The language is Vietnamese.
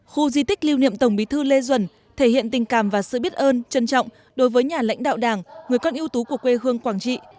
khu di tích lưu niệm tổng bí thư lê duẩn thể hiện tình cảm và sự biết ơn trân trọng đối với nhà lãnh đạo đảng người con ưu tú của quê hương quảng trị